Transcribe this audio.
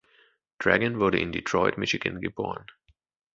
Dragon wurde in Detroit, Michigan geboren.